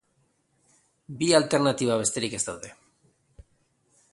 Bi alternatiba besterik ez daude.